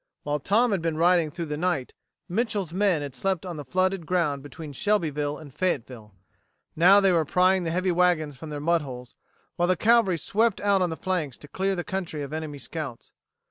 While Tom had been riding through the night, Mitchel's men had slept on the flooded ground between Shelbyville and Fayetteville. Now they were prying the heaving wagons from the mud holes, while the cavalry swept out on the flanks to clear the country of enemy scouts.